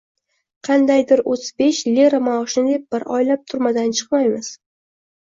Qandaydir o`ttiz besh lira maoshni deb bir oylab turmadan chiqmaymiz